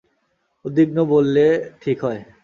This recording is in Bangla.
উদ্বিগ্ন বললে ঠিক হয়।